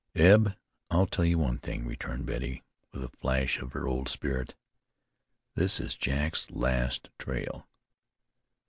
"Eb, I'll tell you one thing," returned Betty, with a flash of her old spirit. "This is Jack's last trail."